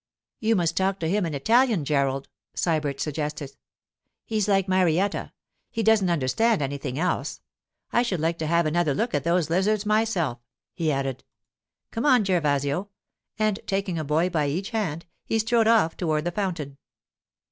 'You must talk to him in Italian, Gerald,' Sybert suggested. 'He's like Marietta: he doesn't understand anything else. I should like to have another look at those lizards myself,' he added. 'Come on, Gervasio,' and taking a boy by each hand, he strode off toward the fountain.